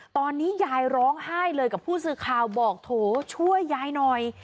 ตอนนี้ยายร้องไห้เลยกับผู้สื่อข่าวบอกโถช่วยยายหน่อย